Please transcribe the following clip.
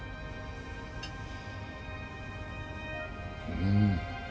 うん。